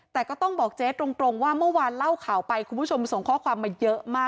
แต่ก็ต้องบอกเจ๊ตรงว่าเมื่อวานเล่าข่าวไปคุณผู้ชมส่งข้อความมาเยอะมาก